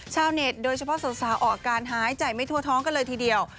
เน็ตโดยเฉพาะสาวออกอาการหายใจไม่ทั่วท้องกันเลยทีเดียว